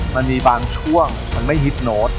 มันมีบางช่วงมันไม่ฮิตโน้ต